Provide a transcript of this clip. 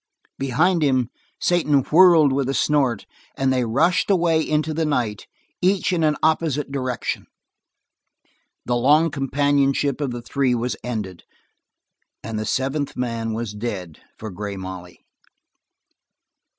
Behind him, Satan whirled with a snort, and they rushed away into the night each in an opposite direction. The long companionship of the three was ended, and the seventh man was dead for Grey Molly.